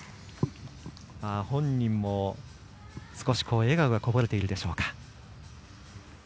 本人も少し笑顔がこぼれているでしょうか。